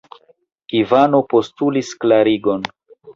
Ivano postulis klarigon.